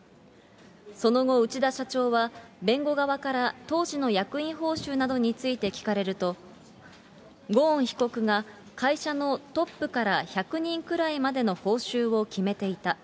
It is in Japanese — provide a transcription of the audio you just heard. その後、内田社長は、弁護側から当時の役員報酬などについて聞かれると、ゴーン被告が会社のトップから１００人くらいまでの報酬を決めていた。